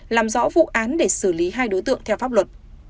làm rõ vụ án để xử lý hai đối tượng theo pháp luật